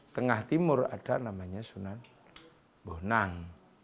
tengah timur ada namanya sunan bonang